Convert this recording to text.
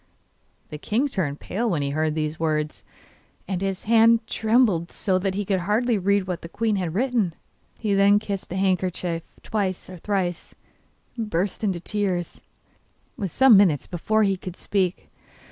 The king turned pale when he heard these words, and his hand trembled so that he could hardly read what the queen had written. Then he kissed the handkerchief twice or thrice, and burst into tears, and it was some minutes before he could speak.